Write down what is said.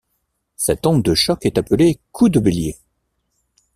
Cette onde de choc est appelée coup de bélier.